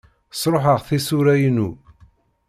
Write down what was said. Sṛuḥeɣ tisura-inu.